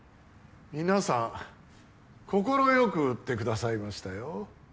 皆さん快く売ってくださいましたよ